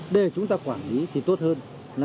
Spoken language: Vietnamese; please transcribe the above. để chúng ta quản lý thì tốt hơn